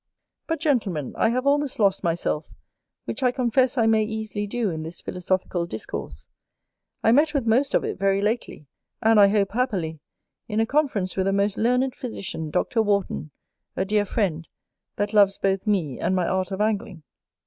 But, Gentlemen, I have almost lost myself, which I confess I may easily do in this philosophical discourse; I met with most of it very lately, and, I hope, happily, in a conference with a most learned physician, Dr. Wharton, a dear friend, that loves both me and my art of Angling.